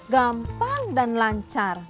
gampang dan lancar